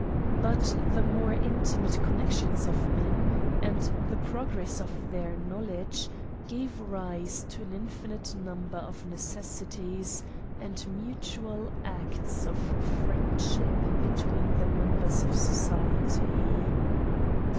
But the more intimate connexions of men, and the progress of their knowledge, gave rise to an infinite number of necessities and mutual acts of friendship between the members of society.